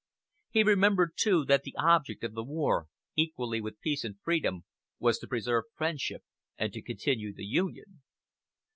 He remembered, too, that the object of the war, equally with peace and freedom, was to preserve friendship and to continue the Union.